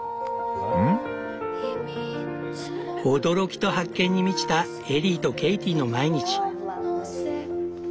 驚きと発見に満ちたエリーとケイティの毎日。